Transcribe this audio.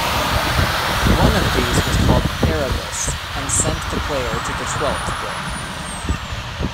One of these was called "Erebus" and sent the player to the twelfth book.